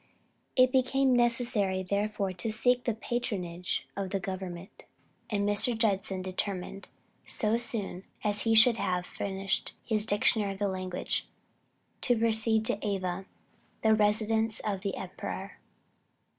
It became necessary therefore to seek the patronage of the government, and Mr. Judson determined, so soon as he should have finished his dictionary of the language, to proceed to Ava, the residence of the emperor.